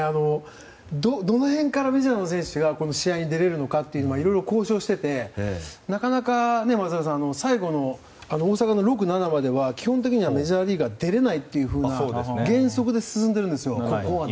どの辺からメジャーの選手が試合に出られるのかはいろいろ交渉してて最後の大阪の６、７までは基本的にはメジャーリーガーは出れないという原則で進んでるんですよ。